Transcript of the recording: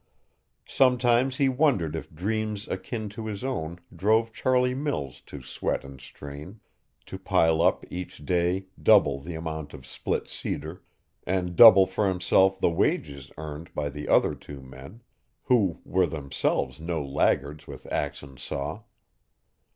Sometimes he wondered if dreams akin to his own drove Charlie Mills to sweat and strain, to pile up each day double the amount of split cedar, and double for himself the wages earned by the other two men, who were themselves no laggards with axe and saw.